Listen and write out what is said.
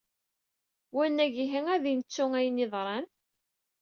Wanag ihi ad nettu ayen iḍran?